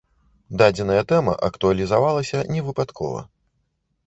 Дадзеная тэма актуалізавалася не выпадкова.